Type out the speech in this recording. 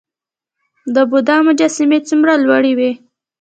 د بودا مجسمې څومره لوړې وې؟